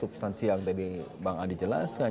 itu pesan siang tadi bang adi jelaskan